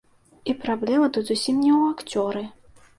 І праблема тут зусім не ў акцёры.